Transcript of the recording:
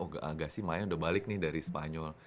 oh agassi mayang udah balik nih dari spanyol